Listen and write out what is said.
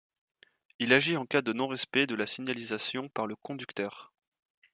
Il agit en cas de non-respect de la signalisation par le conducteur.